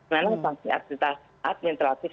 namanya masih administratif